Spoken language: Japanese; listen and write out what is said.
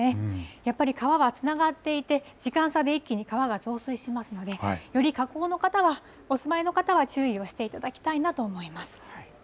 やっぱり川がつながっていて、時間差で一気に川が増水しますので、より河口の方は、お住まいの方は注意をしていただきたいなと思います。